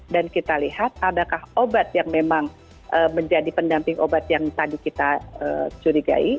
dan kita lihat adakah obat yang memang menjadi pendamping obat yang tadi kita curigai